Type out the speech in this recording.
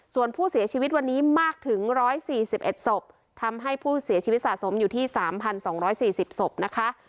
ส่วนผู้เสียชีวิตวันนี้มากถึงร้อยสี่สิบเอ็ดศพทำให้ผู้เสียชีวิตสะสมอยู่ที่สามพันสองร้อยสี่สิบสบนะคะ